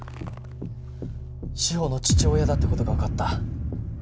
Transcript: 志法の父親だって事がわかった。